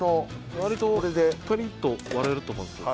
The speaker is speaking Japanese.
わりとパリッと割れると思うんですけど。